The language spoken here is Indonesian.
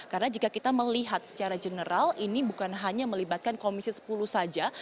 karena jika kita melihat secara general ini bukan hanya melibatkan komisi sepuluh saja